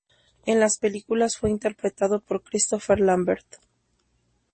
En las películas fue interpretado por Christopher Lambert.